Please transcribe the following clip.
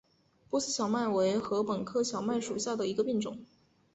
波斯小麦为禾本科小麦属下的一个变种。